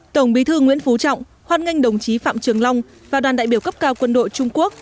tổng bí thư nguyễn phú trọng hoan nghênh đồng chí phạm trường long và đoàn đại biểu cấp cao quân đội trung quốc